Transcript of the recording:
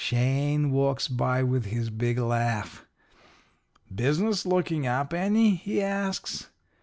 "Shane walks by with his big laugh. "'Business looking up any?' he asks.